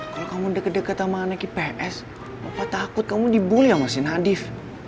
kalo kamu deket deket sama anaknya ps opa takut kamu dibully sama si nadif